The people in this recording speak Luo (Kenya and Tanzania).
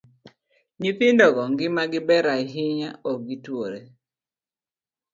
Nyithindogo ngimagi Ber ahinya, ok gi twore.